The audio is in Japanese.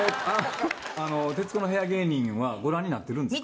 徹子の部屋芸人はご覧になってるんですか？